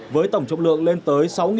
với tổng trọng lượng lên tới sáu mươi tấn